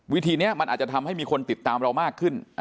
วิธีนี้มันอาจจะทำให้มีคนติดตามเรามากขึ้น